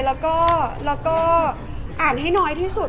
แล้วก็อ่านให้น้อยที่สุด